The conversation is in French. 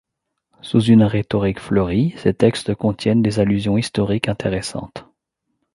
Sous une rhétorique fleurie, ces textes contiennent des allusions historiques intéressantes.